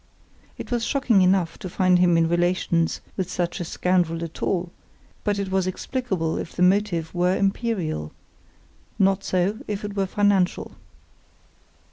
It was shocking enough to find him in relations with such a scoundrel at all, but it was explicable if the motive were imperial—not so if it were financial.